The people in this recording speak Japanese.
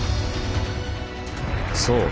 そう！